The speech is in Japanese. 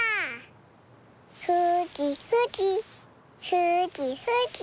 ふきふき。